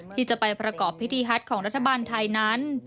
ที่จะไปประกอบพิธีฮัทของรัฐบาลไทยนั้น